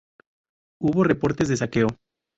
Hubo reportes de saqueo.